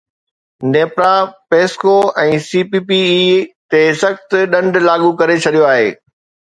NEPRA PESCO ۽ C P P A تي سخت ڏنڊ لاڳو ڪري ڇڏيو آهي